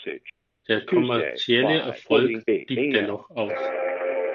Der kommerzielle Erfolg blieb dennoch aus.